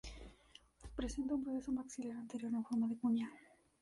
Presenta un proceso maxilar anterior en forma de cuña.